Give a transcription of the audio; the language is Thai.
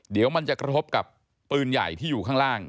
เดี๋ยวมันจะกระทบกับปืนใหญ่ที่อยู่ข้างล่าง